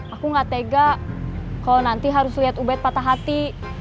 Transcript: aku gak tega kalau nanti harus lihat ubed patah hati